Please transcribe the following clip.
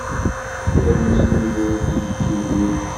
La nesnuzuy tijeǧǧigin.